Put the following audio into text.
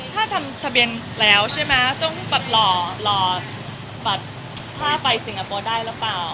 ถ้าทำทะเบียนแล้วใช่ไหมต้องหล่อถ้าไปสิงหาโบได้หรือเปล่า